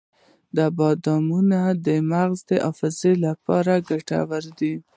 د بادامو مغز د حافظې لپاره ګټور دی.